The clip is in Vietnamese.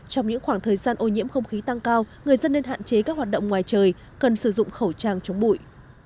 trong những khoảng thời gian ô nhiễm không khí tăng cao người dân nên hạn chế các hoạt động ngoài trời cần sử dụng khẩu trang chống bụi